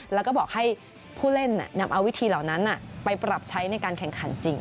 แล้วก็บอกให้ผู้เล่นนำเอาวิธีเหล่านั้นไปปรับใช้ในการแข่งขันจริง